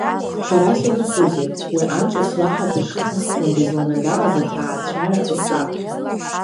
Ҳәарас иаҭахузеи, уи ан ҿыц лаҳаҭыр шьҭнахуан дызланагалаз аҭаацәара рҿаԥхьа.